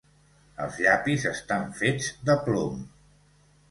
Els llapis estan fets de plom.